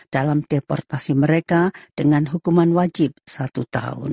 dalam deportasi mereka dengan hukuman wajib satu tahun